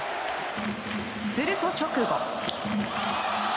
すると直後。